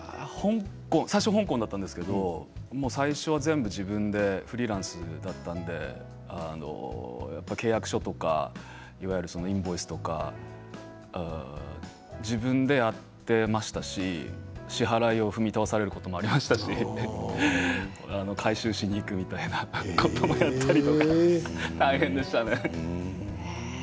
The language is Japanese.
最初香港だったんですがフリーランスだったので最初は全部自分で、契約書とかインボイスとか自分でやっていましたし支払い踏み倒されることもありましたし回収をしに行くみたいなこともやったり大変でした。